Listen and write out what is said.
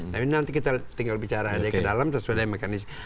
tapi nanti kita tinggal bicara aja ke dalam sesuai dengan mekanisme